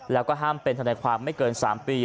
แล้วก็ห้ามเป็นธนายความไม่เกิน๓ปี